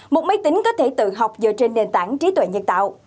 một máy tính có thể tự học dựa trên nền tảng trí tuệ nhân tạo